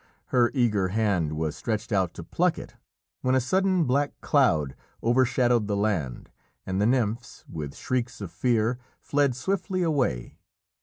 Her eager hand was stretched out to pluck it, when a sudden black cloud overshadowed the land, and the nymphs, with shrieks of fear, fled swiftly away.